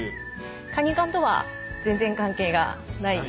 カニ缶とは全然関係がない。